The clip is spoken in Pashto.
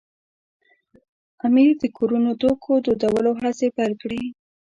امیر د کورنیو توکو دودولو هڅې پیل کړې.